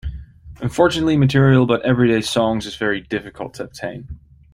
Unfortunately, material about everyday songs is very difficult to obtain.